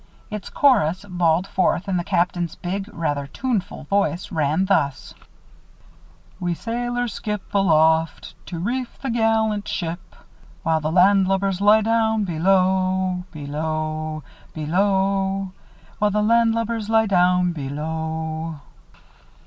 Its chorus, bawled forth in the captain's big, rather tuneful voice, ran thus: "We sailors skip aloft to reef the gallant ship, While the landlubbers lie down below, below, BELOW; While the landlubbers lie down below."